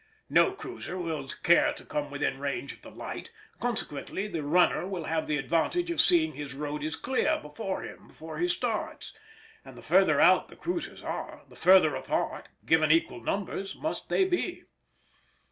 No cruiser will care to come within range of the light; consequently the runner will have the advantage of seeing his road is clear before him when he starts, and the further out the cruisers are, the further apart, given equal numbers, must they be.